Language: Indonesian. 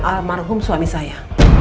almarhum suami saya